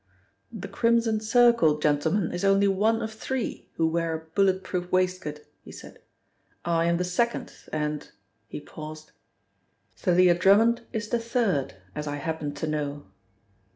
"The Crimson Circle gentleman is only one of three who wear a bullet proof waistcoat," he said. "I am the second, and " he paused, "Thalia Drummond is the third, as I happen to know."